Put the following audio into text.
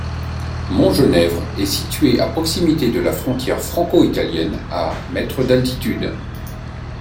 Montgenèvre est située à proximité de la frontière franco-italienne à mètres d'altitude.